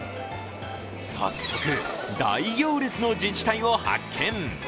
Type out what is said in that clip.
早速、大行列の自治体を発見。